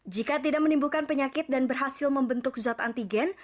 jika tidak menimbulkan penyakit dan berhasil membentuk zat antigen